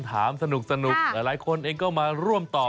ถามสนุกหลายคนเองก็มาร่วมตอบ